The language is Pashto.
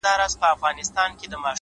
ځوان له ډيري ژړا وروسته څخه ريږدي;